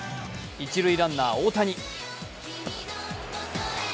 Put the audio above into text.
一塁ランナー・大谷。